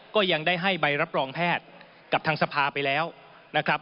ก็ยังได้ให้ใบรับรองแพทย์กับทางสภาไปแล้วนะครับ